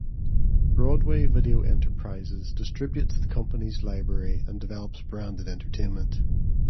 Broadway Video Enterprises distributes the company's library and develops branded entertainment.